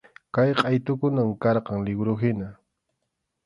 Kay qʼaytukunam karqan liwruhina.